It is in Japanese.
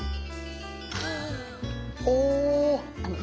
お！